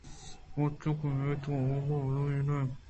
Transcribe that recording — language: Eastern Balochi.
پرچاکہ میتگ ءِ آہگ ءَ الّمی نہ اِنت